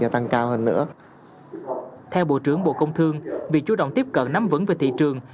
theo bộ trưởng bộ công thương việc chú động tiếp cận nắm vững về thị trường